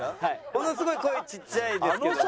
ものすごい声ちっちゃいですけど。